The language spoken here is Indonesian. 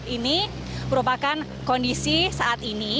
ini merupakan kondisi saat ini